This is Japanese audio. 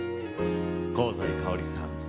香西かおりさん